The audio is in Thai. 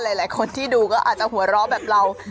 หลายคนที่ดูก็อาจจะหัวเราะแบบเรา